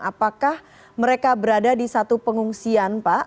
apakah mereka berada di satu pengungsian pak